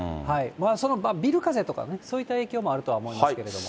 そのビルかぜとか、そういった影響もあるとは思いますけれども。